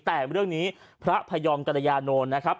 แต่เรื่องนี้พระพยอมกรยานนท์นะครับ